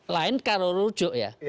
lain kalau rujuk ya